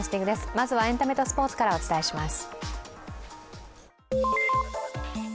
まずはエンタメとスポーツからお伝えします。